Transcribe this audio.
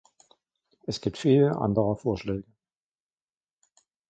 Es gibt viele andere Vorschläge.